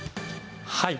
はい。